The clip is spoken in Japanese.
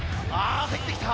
入ってきた！